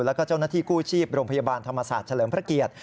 แล้วก็เจ้าหน้าที่กู้ชีพโรงพยาบาลธรรมศาสตร์เฉลิมพระเกียรติ